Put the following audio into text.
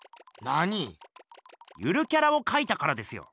ゆるキャラをかいたからですよ。